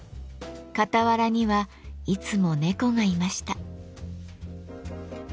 傍らにはいつも猫がいました。